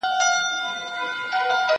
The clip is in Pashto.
زه له سهاره موسيقي اورم،